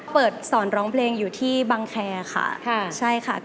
เปิดสอนร้องเพลงอยู่ที่บังแครค่ะ